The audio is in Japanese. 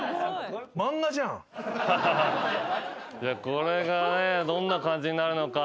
これがどんな感じになるのか？